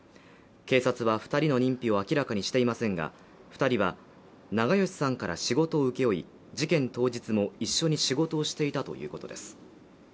警察は２人の認否を明らかにしていませんが２人は長葭さんから仕事を請け負い事件当日も一緒に仕事をしていたということです。